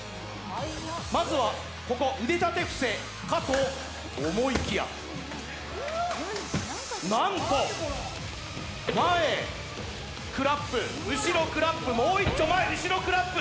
まずはここ、腕立て伏せかと思いきやなんと、前クラップ、後ろクラップ、もういっちょ前、後ろクラップ。